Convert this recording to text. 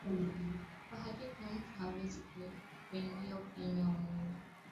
kwamba hakika mtu hawezi kuingia ufalme wa Mungu asipozaliwa mara ya pili kwa